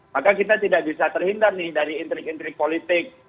maka kita tidak bisa terhindar nih dari intrik intrik politik